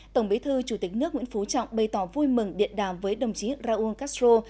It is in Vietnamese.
tổng bí thư chủ tịch nước nguyễn phú trọng bày tỏ vui mừng điện đàm với đồng chí raúl castro